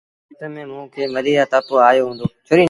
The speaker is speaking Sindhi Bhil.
اُئي وکت ميݩ موݩ کي مليٚريآ تپ آيو هُݩدو۔